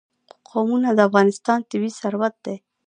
قومونه د افغانستان طبعي ثروت دی.